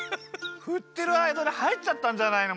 ふってるあいだにはいっちゃったんじゃないの？